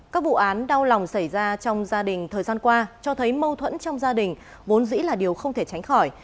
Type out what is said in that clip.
các vụ án đau lòng xảy ra trong gia đình thời gian qua cho thấy mâu thuẫn trong gia đình vốn dĩ là điều không thể tránh khỏi